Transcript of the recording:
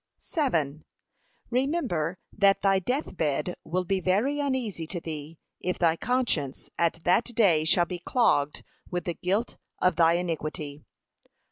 Remember that thy death bed will be very uneasy to thee, if thy conscience at that day shall be clogged with the guilt of thy iniquity.